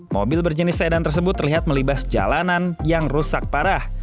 mobil berjenis sedan tersebut terlihat melibas jalanan yang rusak parah